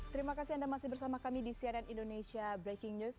terima kasih anda masih bersama kami di cnn indonesia breaking news